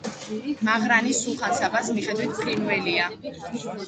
მაღრანი სულხან საბას მიხედვით ფრინველია.